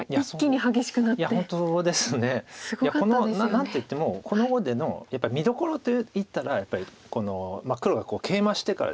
何といってもこの碁でのやっぱり見どころといったらこの黒がケイマしてからです。